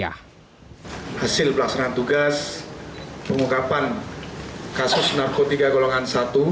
hasil pelaksanaan tugas pengungkapan kasus narkotika golongan satu